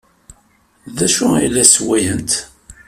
D acu ay la ssewwayent?